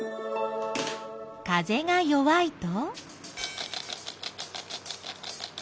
風が弱いと？